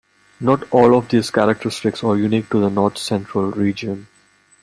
Not all of these characteristics are unique to the North Central region.